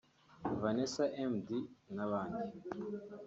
Vanessa Mdee n’abandi